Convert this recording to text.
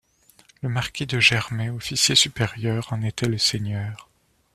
Le marquis de Germay, officier supérieur, en était le seigneur.